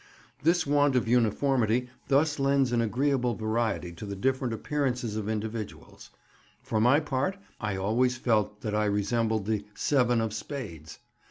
This want of uniformity thus lends an agreeable variety to the different appearances of individuals; for my part, I always felt that I resembled the "Seven of Spades."